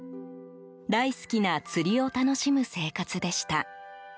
大好きな釣りを楽しむ生活でした。